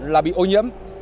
là bị ô nhiễm